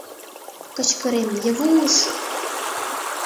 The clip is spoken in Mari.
Кычкырем, «Йывуш!